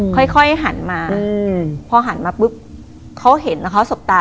ค่อยหันมาพอหันมาปุ๊บเขาเห็นแล้วเขาสบตา